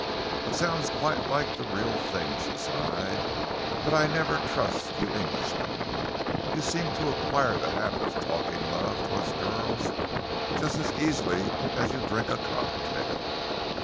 "It sounds quite like the real thing," she sighed, "but I never trust you Englishmen. You seem to acquire the habit of talking love to us girls just as easily as you drink a cocktail.